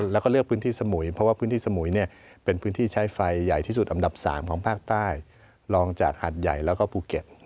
แล้วก็เลือกพื้นที่สมุยเพราะว่าพื้นที่สมุยเป็นพื้นที่ใช้ไฟใหญ่ที่สุดอันดับ๓ของภาคใต้รองจากหัดใหญ่แล้วก็ภูเก็ต